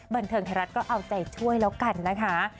บันเทิงไทยรัฐก็เอาใจช่วยแล้วกันนะคะ